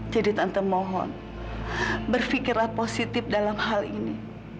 jadi tante mohon berpikirlah positif dalam hal ini